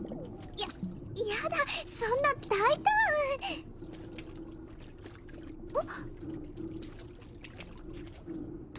ややだそんな大胆あっ扉？